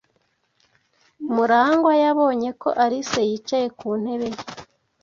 Murangwa yabonye ko Alice yicaye ku ntebe ye.